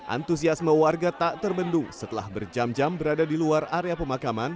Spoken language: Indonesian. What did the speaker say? antusiasme warga tak terbendung setelah berjam jam berada di luar area pemakaman